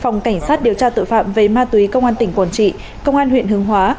phòng cảnh sát điều tra tội phạm về ma túy công an tỉnh quảng trị công an huyện hương hóa